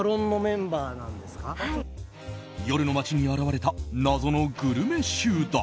夜の街に現れた謎のグルメ集団。